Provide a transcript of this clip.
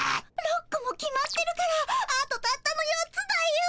６こも決まってるからあとたったの４つだよ。